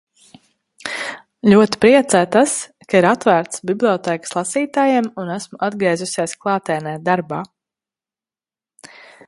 Ļoti priecē tas, ka ir atvērtas bibliotēkas lasītājiem un esmu atgriezusies klātienē darbā.